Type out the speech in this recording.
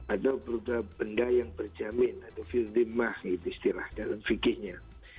atau benda yang berjamin atau fildimah gitu istilah dalam fikirnya